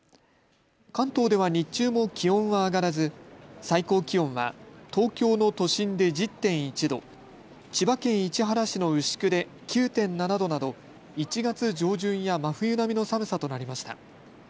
関東では日中も気温は上がらず最高気温は東京の都心で１０．１度、千葉県市原市の牛久で９．７度など１月上旬や真冬並みの寒さとなりました。